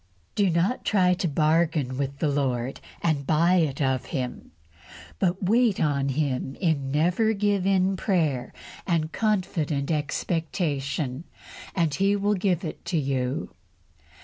Do not try to bargain with the Lord and buy it of Him, but wait on Him in never give in prayer and confident expectation, and He will give it to you.